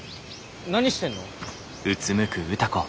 何してんの？